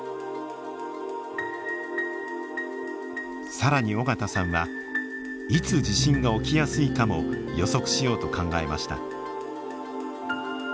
更に尾形さんはいつ地震が起きやすいかも予測しようと考えました。